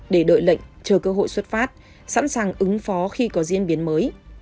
để đợi lệnh chờ cơ hội xuất phát sẵn sàng ứng phó khi có diễn biến mới